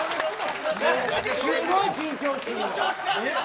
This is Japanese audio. すごい緊張する。